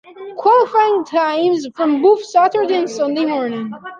Qualifying times from both Saturday and Sunday morning.